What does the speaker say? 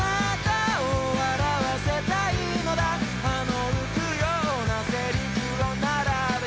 「歯の浮くような台詞を並べて」